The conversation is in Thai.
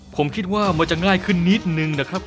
ผมคิดว่ามันจะง่ายขึ้นนิดนึงนะครับ